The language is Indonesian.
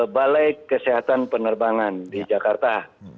balai kesehatan penerbangan di jakarta